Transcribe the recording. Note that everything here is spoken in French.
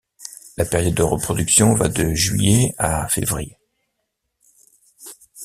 La période de reproduction va de juillet à février.